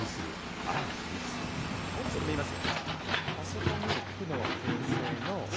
あそこ見えます？